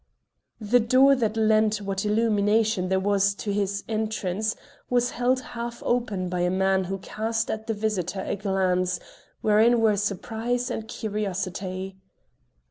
The door that lent what illumination there was to his entrance was held half open by a man who cast at the visitor a glance wherein were surprise and curiosity.